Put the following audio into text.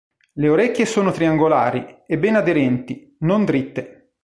Le orecchie sono triangolari e ben aderenti, non dritte.